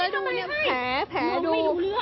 แล้วดูแผลดู